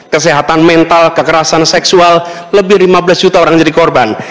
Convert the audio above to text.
kesehatan mental kekerasan seksual lebih lima belas juta orang jadi korban